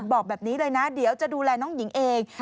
บอกแบบนี้เลยนะเดี๋ยวจะดูแลน้องหญิงเอง